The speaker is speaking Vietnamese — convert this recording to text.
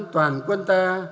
toàn quân ta